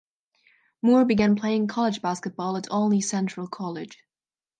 Moore began playing college basketball at Olney Central College.